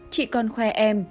chị còn khoe em